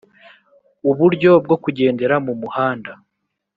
uburyo bwo kugendera mu muhanda.